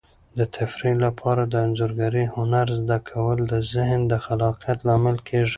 د تفریح لپاره د انځورګرۍ هنر زده کول د ذهن د خلاقیت لامل کیږي.